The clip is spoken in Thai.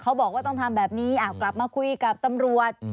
เขาบอกว่าต้องทำแบบนี้กลับมาคุยกับตำรวจ